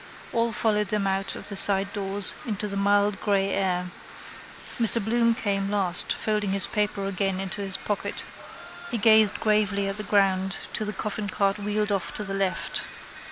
All followed them out of the sidedoors into the mild grey air. Mr Bloom came last folding his paper again into his pocket. He gazed gravely at the ground till the coffincart wheeled off to the left.